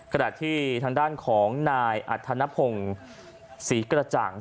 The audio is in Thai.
ขณะที่ทางด้านของนายอัธนพงศ์ศรีกระจ่าง